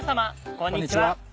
こんにちは。